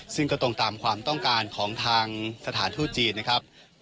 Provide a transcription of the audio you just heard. ซึ่งก็ตรงตามความต้องการของทางสถานทูตจีนนะครับ